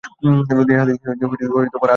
তিনি হাদিস নিয়েই আগ্রহী হয়ে পড়েন।